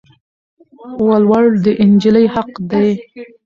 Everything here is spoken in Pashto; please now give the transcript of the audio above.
ولوړ د انجلی حق دي